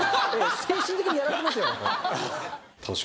精神的にやられてますよ